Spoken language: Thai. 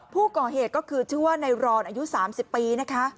ผู้ก่อเหตุก็คือชื่อว่าในรอนอายุ๓๐ปีนะคะ